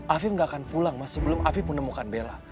afif gak akan pulang sebelum afif menemukan bella